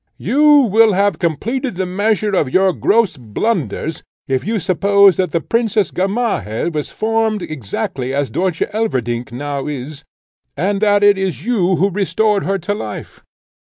You will have completed the measure of your gross blunders, if you suppose that the Princess Gamaheh was formed exactly as Dörtje Elverdink now is, and that it is you who restored her to life.